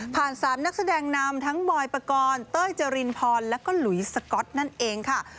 ๓นักแสดงนำทั้งบอยปกรณ์เต้ยเจรินพรแล้วก็หลุยสก๊อตนั่นเองค่ะ